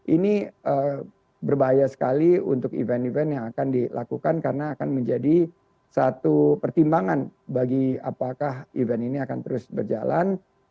ini berbahaya sekali untuk event event yang akan dilakukan karena akan menjadi satu pertimbangan bagi apakah event ini akan terus berjalan